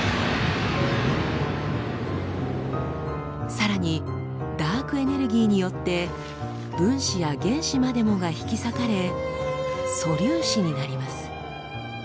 さらにダークエネルギーによって分子や原子までもが引き裂かれ素粒子になります。